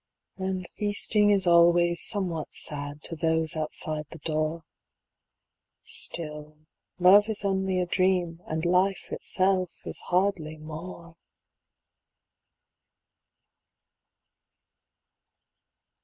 And feasting is always somewhat sad To those outside the door — Still ; Love is only a dream, and Life Itself is hardly more